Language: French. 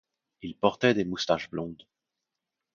Il portait des moustaches blondes.